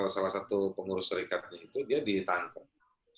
salah satu pengurus serikatnya itu dia ditangkap